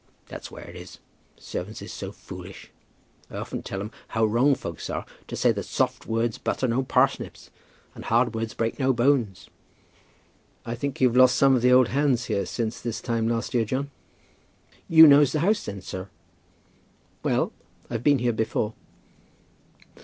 That's where it is. Servants is so foolish. I often tell 'em how wrong folks are to say that soft words butter no parsnips, and hard words break no bones." "I think you've lost some of the old hands here since this time last year, John?" "You knows the house then, sir?" "Well; I've been here before."